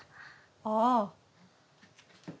ああ。